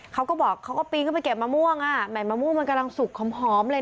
เขาก็บอกเขาก็ปีนขึ้นไปเก็บมะม่วงอ่ะแหม่มะม่วงมันกำลังสุกหอมเลย